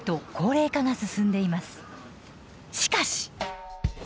しかし！